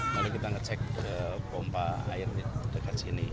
lalu kita ngecek pompa air dekat sini